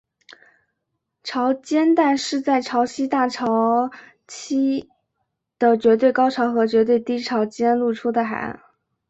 潮间带是在潮汐大潮期的绝对高潮和绝对低潮间露出的海岸。